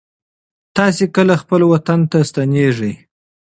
تاسې کله خپل وطن ته ستنېږئ؟